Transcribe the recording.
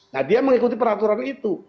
nah dia mengikuti peraturan itu